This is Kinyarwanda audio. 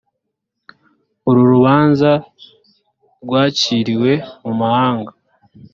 uru rubanza rwaciriwe mu mahanga